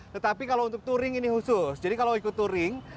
tetapi kalau untuk touring ini khusus jadi kalau ikut touring